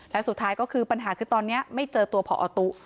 และสุดท้ายก็คือปัญหาคือตอนนี้ไม่เจอตัวพอตุ๊